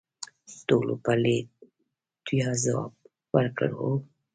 ټولو په لیوالتیا ځواب ورکړ: "هو".